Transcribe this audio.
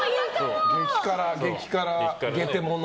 激辛、ゲテモノ。